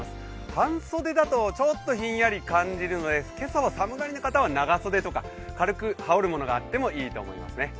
半袖だとちょっとひんやり感じるので今朝は寒がりな方は長袖とか、軽く羽織るものがあってもいいと思いますね。